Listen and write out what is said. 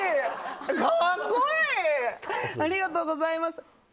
ありがとうございます。